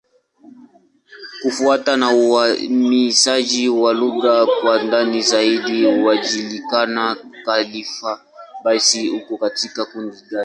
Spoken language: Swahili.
Kufuatana na uainishaji wa lugha kwa ndani zaidi, haijulikani Kifali-Baissa iko katika kundi gani.